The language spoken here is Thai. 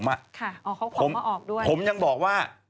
ค่ะเขาขอมาออกด้วยผมยังบอกว่า